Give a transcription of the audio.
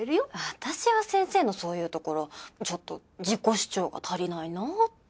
私は先生のそういうところちょっと自己主張が足りないなって。